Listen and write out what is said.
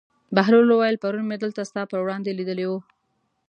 بهلول وویل: پرون مې دلته ستا پر وړاندې لیدلی و.